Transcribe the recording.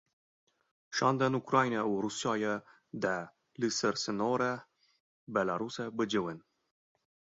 Şandên Ukrayna û Rûsyayê dê li ser sînorê Belarûsê bicivin.